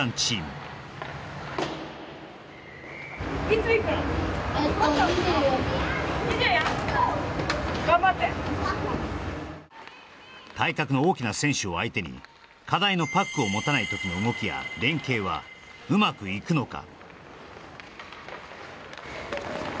はい体格の大きな選手を相手に課題のパックを持たない時の動きや連携はうまくいくのか？